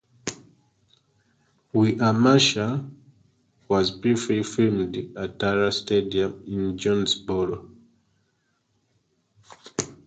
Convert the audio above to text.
"We Are Marshall" was briefly filmed at Tara Stadium in Jonesboro.